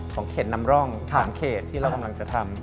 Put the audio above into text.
เขตนำร่อง๓เขตที่เรากำลังจะทำ